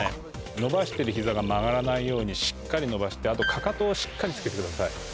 伸ばしてる膝が曲がらないようにしっかり伸ばしてあとかかとをしっかりつけてください。